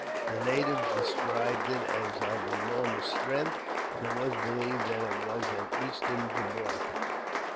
The natives described it as of enormous strength, and it was believed that it was an Eastern Gibraltar.